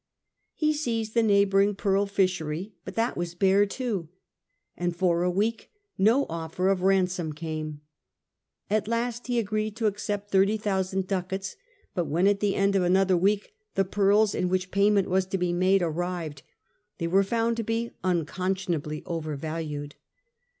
He seized the neighbouring pearl fishery, but that was bare too, and for a week no offer of ransom came. At last he agreed to accept thirty thousand ducats, but when at the end of another week the pearls in which payment was to be made arriyed, they were found to be un conscionably over valued.